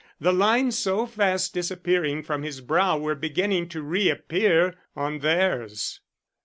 The lines so fast disappearing from his brow were beginning to reappear on theirs.